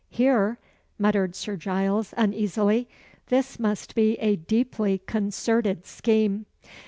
here!" muttered Sir Giles, uneasily. "This must be a deeply concerted scheme."